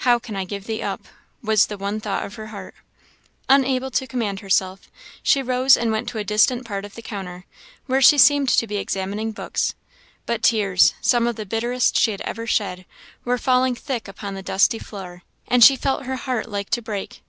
"How can I give thee up!" was the one thought of her heart. Unable to command herself, she rose and went to a distant part of the counter, where she seemed to be examining books; but tears, some of the bitterest she had ever shed, were falling thick upon the dusty floor, and she felt her heart like to break.